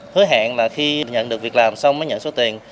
hứa hẹn là khi nhận được việc làm xong mới nhận số tiền